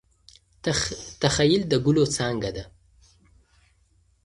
تخیل د ګلو څانګه ده.